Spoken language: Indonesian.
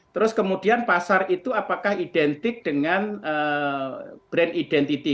terus kemudian pasar itu apakah identik dengan brand identity